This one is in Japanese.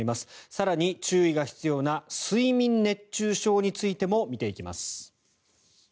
更に注意が必要な睡眠熱中症についても見ていきます。